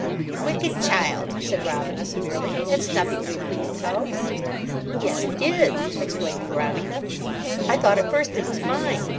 "You wicked child!" said Robina severely. "It's nothing to be pleased about." "Yes, it is," explained Veronica. "I thought at first it was mine.